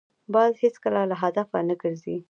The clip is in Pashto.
باز هېڅکله له هدفه نه ګرځي